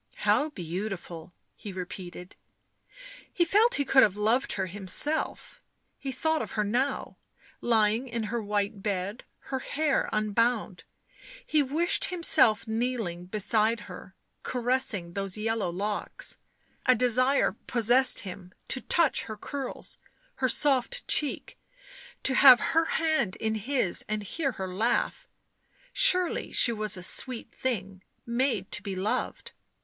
" How beautiful!" he repeated; he felt he could have loved her himself ; he thought of her now, lying in her white bed, her hair unbound ; he wished himself kneeling beside her, caressing those yellow locks ; a desire possessed him to touch her curls, her soft cheek, to have her hand in his and hear her laugh ; surely she was a sweet thing, made to be loved.